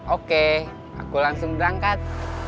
oke aku langsung berangkat